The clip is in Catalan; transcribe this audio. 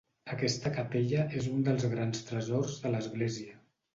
Aquesta capella és un dels grans tresors de l'església.